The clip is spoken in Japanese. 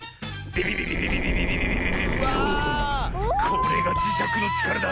これがじしゃくのちからだ。